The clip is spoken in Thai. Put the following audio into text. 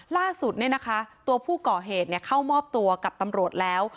ล่าสุดตัวผู้ก่อเหตุเข้ามอบตัวกับตำรวจแล้ว